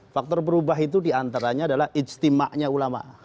faktor perubah itu diantaranya adalah istimanya ulama